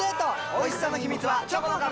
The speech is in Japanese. おいしさの秘密はチョコの壁！